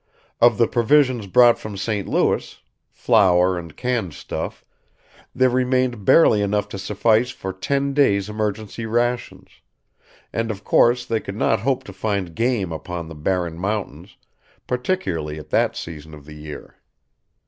Of the provisions brought from St. Louis, flour and canned stuff, there remained barely enough to suffice for ten days' emergency rations; and of course they could not hope to find game upon the barren mountains, particularly at that season of the year.